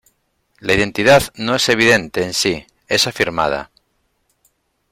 La identidad no es evidente en sí, es afirmada.